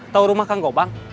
tahu rumah kang gubang